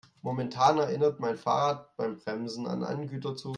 Momentan erinnert mein Fahrrad beim Bremsen an einen Güterzug.